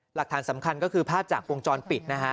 หลักฐานสำคัญก็คือภาพจากวงจรปิดนะฮะ